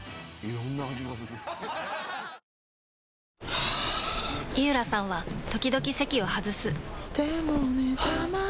はぁ井浦さんは時々席を外すはぁ。